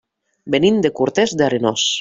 Venim de Cortes d'Arenós.